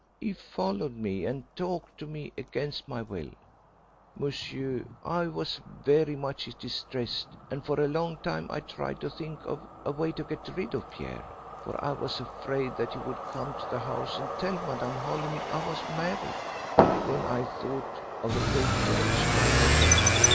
He followed me and talked to me against my will. "Monsieur, I was very much distressed, and for a long time I tried to think of a way to get rid of Pierre, for I was afraid that he would come to the house and tell Madame Holymead I was married. Then I thought of the great judge, my lover.